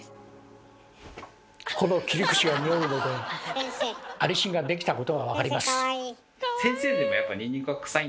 この切り口がにおうのでアリシンができたことが分かります。